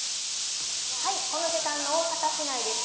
この時間の大阪市内です。